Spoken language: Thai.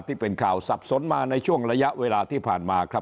ที่เป็นข่าวสับสนมาในช่วงระยะเวลาที่ผ่านมาครับ